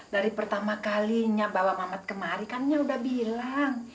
dari pertama kalinya bawa mamat kemari kan dia udah bilang